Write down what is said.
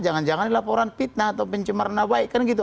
jangan jangan laporan fitnah atau pencemaran nabaikan gitu